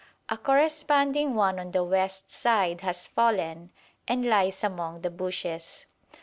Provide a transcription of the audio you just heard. A corresponding one on the west side has fallen and lies among the bushes.